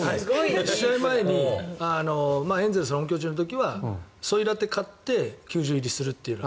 試合前にエンゼルスの本拠地の時はソイラテを買って球場入りすると。